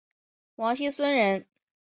王沂孙人。